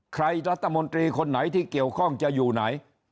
รัฐมนตรีคนไหนที่เกี่ยวข้องจะอยู่ไหน